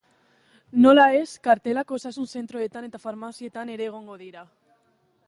Nola ez, kartelak osasun zentroetan eta farmazietan ere egongo dira.